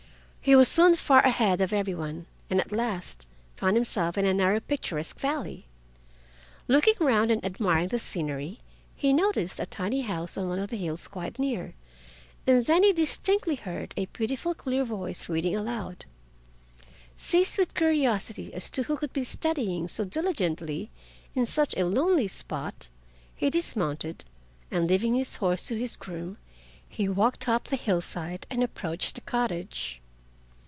He was soon far ahead of every one, and at last found himself in a narrow picturesque valley. Looking round and admiring the scenery, he noticed a tiny house on one of the hills quite near, and then he distinctly heard a beautiful clear voice reading aloud. Seized with curiosity as to who could be studying so diligently in such a lonely spot, he dismounted, and leaving his horse to his groom, he walked up the hillside and approached the cottage.